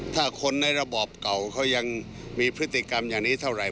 ถ้าคนในระบอบเก่าเขายังมีพฤติกรรมอย่างนี้เท่าไหร